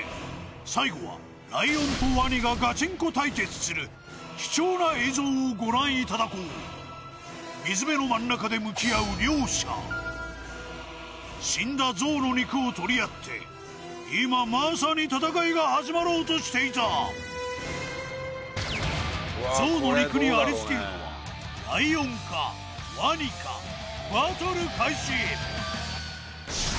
最後はライオンとワニがガチンコ対決する貴重な映像をご覧いただこう水辺の真ん中で向き合う両者死んだゾウの肉を取り合って今まさに戦いが始まろうとしていたゾウの肉にありつけるのはライオンかワニかバトル開始